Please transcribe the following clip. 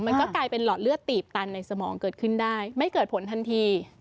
มันก็กลายเป็นหลอดเลือดตีบตันในสมองเกิดขึ้นได้ไม่เกิดผลทันที